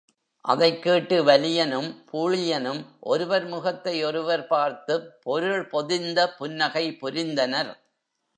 அதைக் கேட்டு வலியனும் பூழியனும் ஒருவர் முகத்தை ஒருவர் பார்த்துப் பொருள் பொதிந்த புன்னகை புரிந்தனர்.